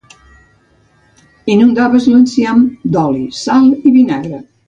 Inundaves l'enciam d'oli, sal i vinagre.